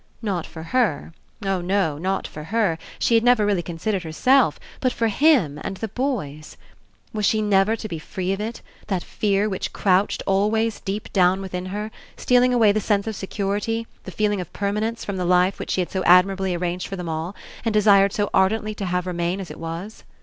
Not for her, oh no, not for her — she had never really considered herself — but for him and the boys. Was she never to be free of it, that fear which crouched, always, deep down within her, stealing away the sense of security, the feeling of permanence, from the life which she had so admirably arranged for them all, and desired so ardently to have remain as it was?